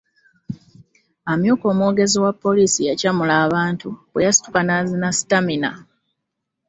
Amyuka omwogezi wa poliisi yacamula abantu bwe yasituka n'azina sitamina.